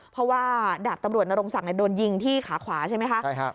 เพราะว่าดาบตำรวจนรงศักดิ์โดนยิงที่ขาขวาใช่ไหมคะ